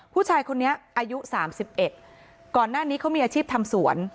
ผู้ชายคนนี้อายุ๓๑ก่อนหน้านี้เขามีอาชีพทำสวน